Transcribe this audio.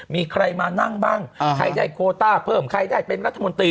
มีใครมานั่งบ้างใครได้โคต้าเพิ่มใครได้เป็นรัฐมนตรี